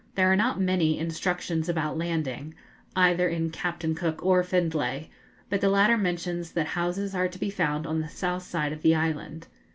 There are not many instructions about landing, either in Captain Cook or Findlay, but the latter mentions that houses are to be found on the south side of the island.